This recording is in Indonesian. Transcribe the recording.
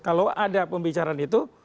kalau ada pembicaraan itu